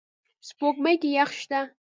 سپوږمۍ کې یخ شته